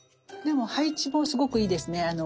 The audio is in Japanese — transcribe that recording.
でも配置もすごくいいですね。